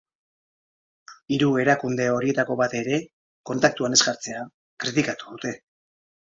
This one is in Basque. Hiru erakunde horietako bat ere kontaktuan ez jartzea kritikatu dute.